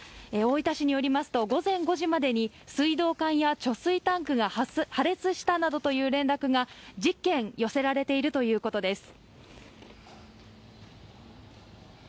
大分市によりますと、午前５時までに水道管や貯水タンクが破裂したなどという連絡が１０件寄せられているということです。